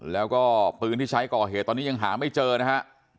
แล้วก็ปืนที่ใช้ก่อเหตุตอนนี้ยังหาไม่เจอนะฮะ